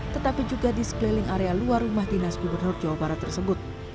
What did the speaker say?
tetapi juga di sekeliling area luar rumah dinas gubernur jawa barat tersebut